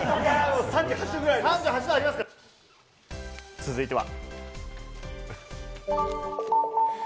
続いては。